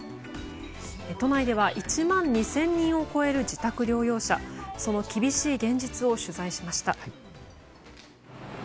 都内では１万２０００人を超える自宅療養者その厳しい現実を取材しました。